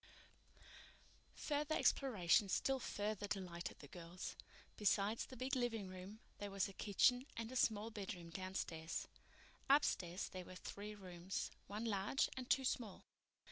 Further exploration still further delighted the girls. Besides the big living room, there was a kitchen and a small bedroom downstairs. Upstairs were three rooms, one large and two small.